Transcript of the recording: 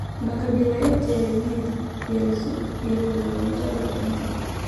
makabila yote ya wenyeji yalizungumza lugha moja